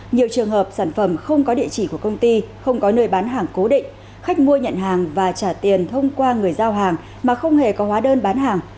nhiều trường hợp sản phẩm không có địa chỉ của công ty không có nơi bán hàng cố định khách mua nhận hàng và trả tiền thông qua người giao hàng mà không hề có hóa đơn bán hàng